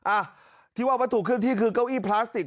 อ่ะที่ว่าวัตถุเคลื่อนที่คือเก้าอี้พลาสติก